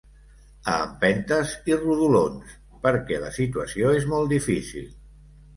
A empentes i rodolons, perquè la situació és molt difícil.